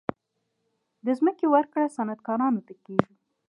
د ځمکې ورکړه صنعتکارانو ته کیږي